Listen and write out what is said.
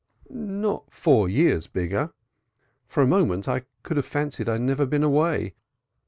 "Not four years bigger. For a moment I could fancy I'd never been away.